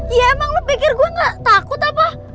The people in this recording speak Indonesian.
ya emang lo pikir gue gak takut apa